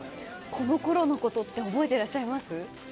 このころのことは覚えてらっしゃいますか？